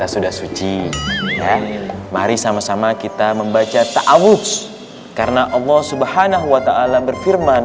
sudah suci mari sama sama kita membaca taawuj karena allah subhanahu wa ta'ala berfirman